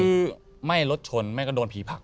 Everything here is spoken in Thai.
คือไม่รถชนแม่ก็โดนผีผัก